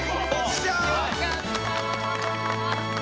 よかった。